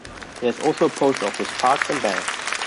There is also a post office, parks and banks.